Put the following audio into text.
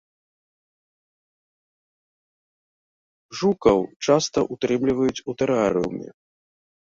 Жукаў часта ўтрымліваюць у тэрарыуме.